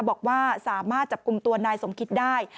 บอกว่าสามารถจับกลุ่มตัวนายสมคิดได้